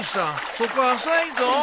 そこ浅いぞ。